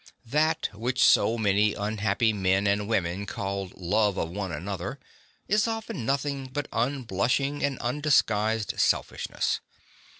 That which so many unhappy men and women call love of one another is often nothing but unblush ing and undisguised selfishness.